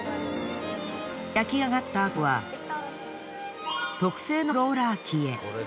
焼き上がったあとは特製のローラー機へ。